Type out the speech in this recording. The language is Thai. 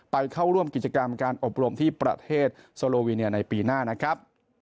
ไปเข้าร่วมกิจกรรมการอบรมที่ประเทศโซโลวีเนียในปีหน้านะครับ